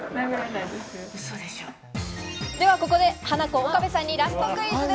ではここでハナコ・岡部さんにラストクイズ。